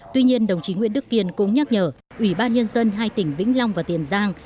tuy nhiên đồng chí nguyễn đức kiên cũng nhắc nhở ủy ban nhân dân hai tỉnh vĩnh long và tiền giang